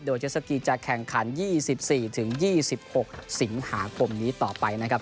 โดยเจสสกีจะแข่งขัน๒๔๒๖สิงหาคมนี้ต่อไปนะครับ